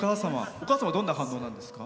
お母さんはどんな反応なんですか？